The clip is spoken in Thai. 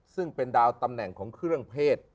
ซึ่งเป็นดาวตำแหน่งของเครื่องเพศ